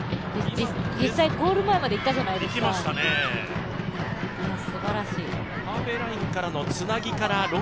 実際、ゴール前までいったじゃないですか、もうすばらしい。